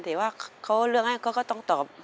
แต่ว่าเขาเลือกอย่างไรก็ต้องตอบ